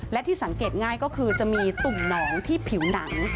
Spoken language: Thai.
และที่สังเกตง่ายก็คือจะมีตุ่มหนองที่ผิวหนัง